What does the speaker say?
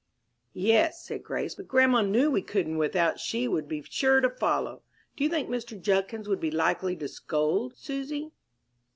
"Yes," said Grace, "but grandma knew we couldn't without she would be sure to follow. Do you think Mr. Judkins would be likely to scold, Susy?"